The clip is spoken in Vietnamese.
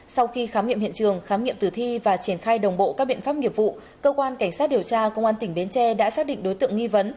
sau khi khám nghiệm hiện trường khám nghiệm tử thi và triển khai đồng bộ các biện pháp nghiệp vụ cơ quan cảnh sát điều tra công an tỉnh bến tre đã xác định đối tượng nghi vấn